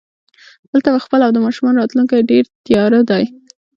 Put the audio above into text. دلته مې خپل او د ماشومانو راتلونکی ډېر تیاره دی